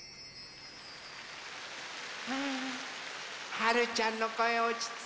はるちゃんのこえおちつくね。